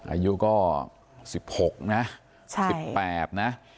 อายุก็สิบหกนะสิบแปบนะ